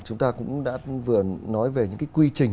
chúng ta cũng đã vừa nói về những cái quy trình